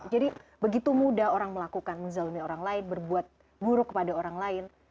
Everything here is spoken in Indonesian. jadi begitu mudah orang melakukan menzalumi orang lain berbuat buruk kepada orang lain